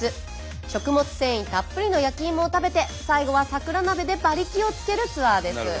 食物繊維たっぷりの焼きいもを食べて最後は桜鍋で馬力をつけるツアーです。